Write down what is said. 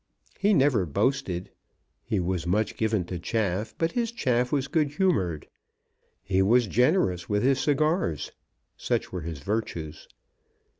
He never boasted. He was much given to chaff, but his chaff was good humoured. He was generous with his cigars. Such were his virtues.